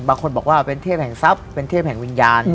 บางคนบอกว่าเป็นเทพแห่งทรัพย์เป็นเทพแห่งวิญญาณ